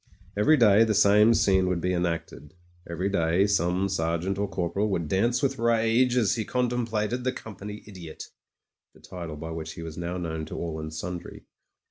Every day the same scene would be enacted ; every 64 MEN, WOMEN AND GUNS day some sergeant or corporal would dance with rage as he contemplated the Company Idiot — ^the title by which he was now known to all and sundry.